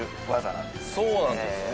「そうなんですね」